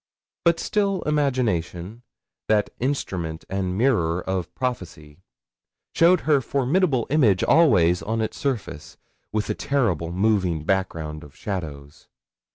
But still imagination, that instrument and mirror of prophecy, showed her formidable image always on its surface, with a terrible moving background of shadows.